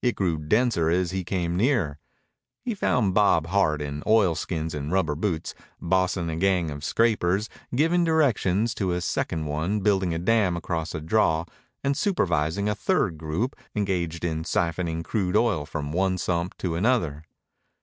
It grew denser as he came nearer. He found Bob Hart, in oilskins and rubber boots, bossing a gang of scrapers, giving directions to a second one building a dam across a draw, and supervising a third group engaged in siphoning crude oil from one sump to another.